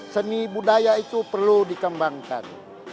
seni budaya itu perlu dikembangkan